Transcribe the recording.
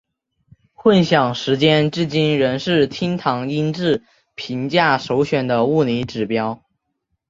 混响时间至今仍是厅堂音质评价首选的物理指标。